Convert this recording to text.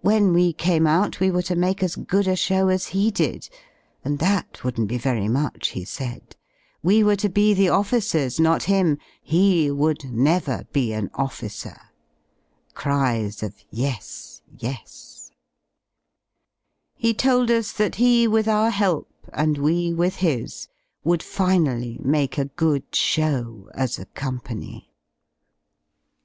When we came out we were to make as good a shoxv as he did {and that wouldn*t be very much, he said) ; we ivere to be the officers, not him, he would never be an officer {cries of ''yes, yes T*), He told us that he with our help and we with his would finally make a good show as a company.